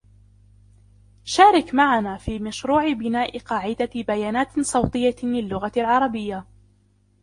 شارك معنا في مشروع بناء قاعدة بيانات صوتية للغة العربية